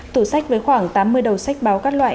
tủ sách với khoảng tám mươi đầu sách báo các loại